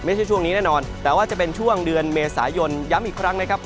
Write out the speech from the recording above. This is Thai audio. ช่วงนี้แน่นอนแต่ว่าจะเป็นช่วงเดือนเมษายนย้ำอีกครั้งนะครับ